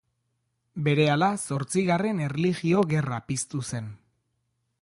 Berehala Zortzigarren Erlijio gerra piztu zen.